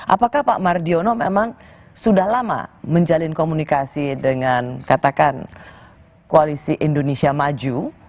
apakah pak mardiono memang sudah lama menjalin komunikasi dengan katakan koalisi indonesia maju